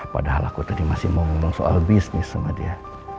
padahal aku tadi masih mau ngomong soal bisnis sama dia